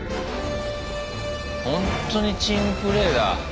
ほんとにチームプレーだ。